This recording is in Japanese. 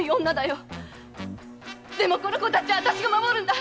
でもこの子たちはあたしが守るんだ！